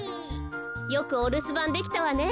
よくおるすばんできたわね。